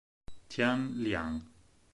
Tian Liang